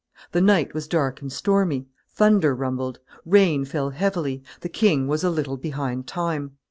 The night was dark and stormy; thunder rumbled; rain fell heavily; the king was a little behind time.